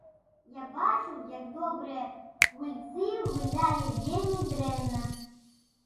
Я бачыў, як добрыя гульцы гулялі вельмі дрэнна.